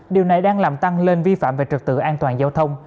điều này đang làm tăng lên vi phạm về trực tự an toàn giao thông